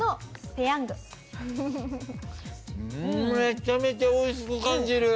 めちゃめちゃ美味しく感じる！